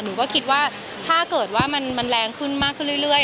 หนูก็คิดว่าถ้าเกิดว่ามันแรงขึ้นมากขึ้นเรื่อย